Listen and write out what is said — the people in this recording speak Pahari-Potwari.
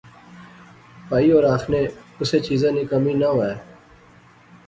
پھئی ہور آخنے کسے چیزا نی کمی نہ وہے